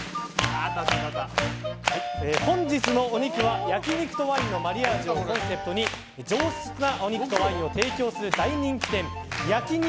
本日のお肉は焼き肉とワインのマリアージュをコンセプトに上質なお肉とワインを提供する大人気店焼肉